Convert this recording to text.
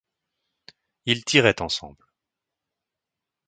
Ils tiraient ensemble.